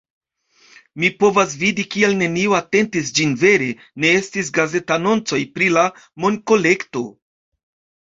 Mi povas vidi kial neniu atentis ĝin vere, ne estis gazetanoncoj pri la monkolekto